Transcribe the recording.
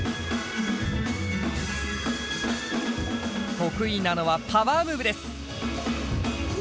得意なのはパワームーブです。